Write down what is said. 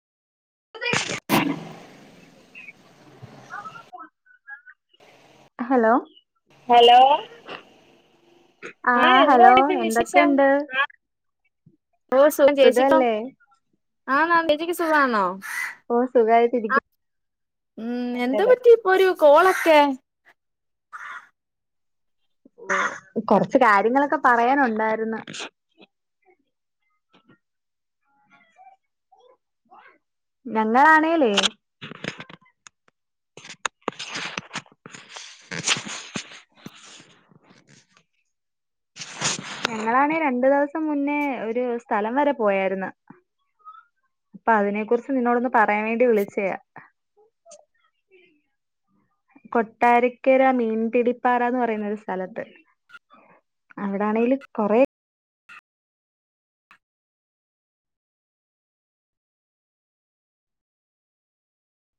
[inaudible] [inaudible] [unintelligible] hello hello ആ എന്തോ hello ഉണ്ട് വിശേഷം എന്തൊക്കെയുണ്ട് ഓ സുഖം ചേച്ചിക്കോ സുഖല്ലേ ആ ചേച്ചിക്ക് സുഖമാണോ ഓ സുഖായിട്ടിരികുന്നു ഉം എന്ത്‌ പറ്റി ഇപ്പൊ ഒരു കോളൊക്കെ കൊറച്ച് കാര്യങ്ങളൊക്കെ പറയാനുണ്ടായിരുന്നു ഞങ്ങളാണേലേയ് ഞങ്ങളാണെ രണ്ടു ദിവസം മുന്നേ ഒരു സ്ഥലം വരെ പോയായിരുന്നു അപ്പൊ അതിനെ കുറിച്ച് നിന്നോടൊന്ന് പറയാൻ വേണ്ടി വിളിച്ചയാ കൊട്ടാരക്കര മീൻപിടിപ്പാറന്ന് പറയുന്ന ഒരു സ്ഥലണ്ട് അവടെയാണേല് കൊറേ